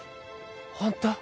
ホント？